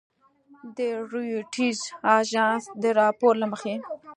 د رویټرز اژانس د راپور له مخې